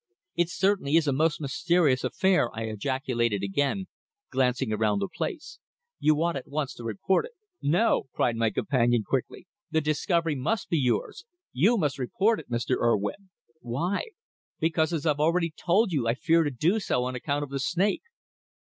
"It certainly is a most mysterious affair," I ejaculated again, glancing around the place. "You ought at once to report it." "No," cried my companion quickly. "The discovery must be yours. You must report it, Mr. Urwin." "Why?" "Because, as I've already told you, I fear to do so on account of the snake."